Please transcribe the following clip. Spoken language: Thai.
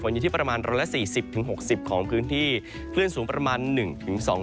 ฝนอยู่ที่ประมาณร้อยละสี่สิบถึงหกสิบของพื้นที่เพื่อนสูงประมาณหนึ่งถึงสอง